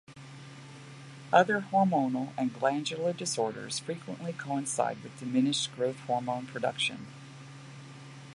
Other hormonal or glandular disorders frequently coincide with diminished growth hormone production.